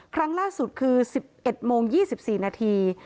ครั้งล่าสุดคือ๑๑โมง๒๔นาที